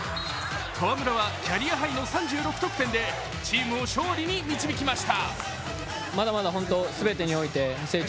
河村はキャリアハイの３６得点でチームを勝利に導きました。